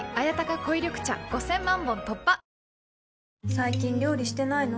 最近料理してないの？